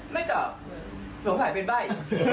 ไม่ตอบเลย